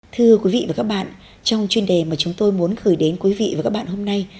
thưa quý vị và các bạn trong chuyên đề mà chúng tôi muốn gửi đến quý vị và các bạn hôm nay